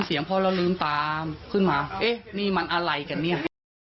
เสียงพอแล้วลืมตามขึ้นมาเอ๊ะนี่มันอะไรกันเนี่ย